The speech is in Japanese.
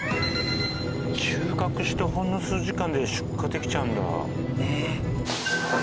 収穫してほんの数時間で出荷できちゃうんだ。